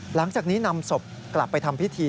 หลังจากนี้นำศพกลับไปทำพิธี